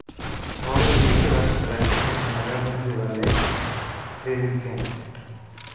Ahora dirige las operaciones generales del Ballet Philippines.